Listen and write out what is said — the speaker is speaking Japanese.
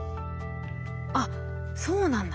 あっそうなんだ。